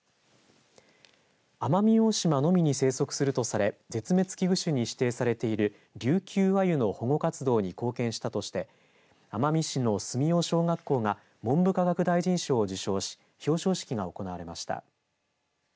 奄美大島のみに生息するとされ絶滅危惧種に指定されているリュウキュウアユの保護活動に貢献したとして奄美市の住用小学校が文部科学大臣賞を受賞し表彰式が行われました。